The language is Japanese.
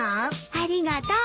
ありがとう。